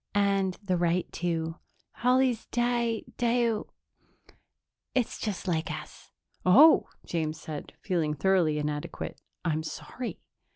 And the right two. Holly's di dio it's just like us." "Oh," James said, feeling thoroughly inadequate. "I'm sorry."